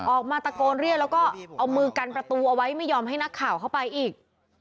ออกมาตะโกนเรียกแล้วก็เอามือกันประตูเอาไว้ไม่ยอมให้นักข่าวเข้าไปอีก